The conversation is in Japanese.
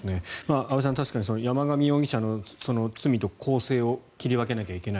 安部さん、確かに山上容疑者の罪と更生を切り分けなきゃいけない。